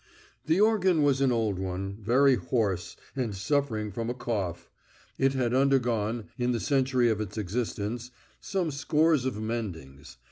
The organ was an old one, very hoarse, and suffering from a cough; it had undergone, in the century of its existence, some scores of mendings.